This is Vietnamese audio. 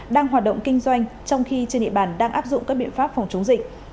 đang hoạt động kinh doanh trong khi trên địa bàn đang áp dụng các biện pháp phòng chống dịch